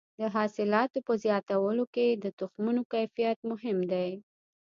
د حاصلاتو په زیاتولو کې د تخمونو کیفیت مهم دی.